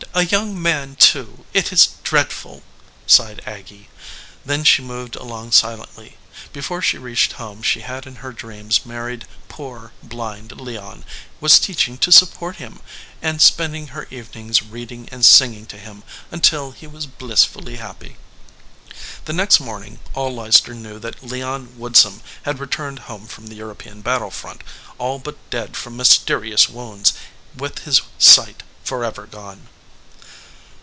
A young man, too ! It is dread ful !" sighed Aggy. Then she moved along silently. Before she reached home she had in her dreams married poor, blind Leon, was teaching to sup 163 EDGEWATER PEOPLE port him, and spending her evenings reading and singing to him, until he was blissfully happy. The next afternoon all Leicester knew that Leon Woodsum had returned home from the European battle front all but dead from mysterious wounds, with his sight forever gone.